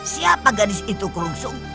siapa gadis itu krungsung